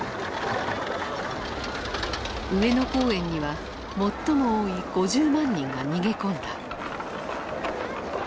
上野公園には最も多い５０万人が逃げ込んだ。